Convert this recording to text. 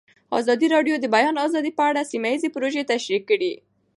ازادي راډیو د د بیان آزادي په اړه سیمه ییزې پروژې تشریح کړې.